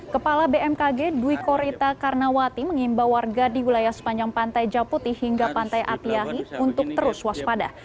kepala bmkg dwi korita karnawati mengimbau warga di wilayah sepanjang pantai japuti hingga pantai atiahi untuk terus waspada